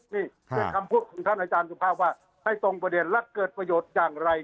นี่เป็นคำพูดของท่านอาจารย์สุภาพว่าให้ตรงประเด็นและเกิดประโยชน์อย่างไร